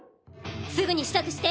すぐに支度して。